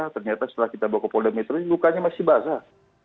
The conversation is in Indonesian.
ternyata setelah kita bawa ke poldemitri lukanya masih basah